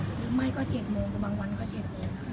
หรือไม่ก็เจ็ดโมงบางวันก็เจ็ดโมง